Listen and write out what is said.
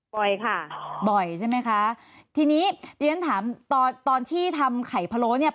บ่อยค่ะบ่อยใช่ไหมคะทีนี้เรียนถามตอนตอนที่ทำไข่พะโล้เนี่ย